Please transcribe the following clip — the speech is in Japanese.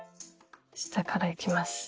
下からいきます。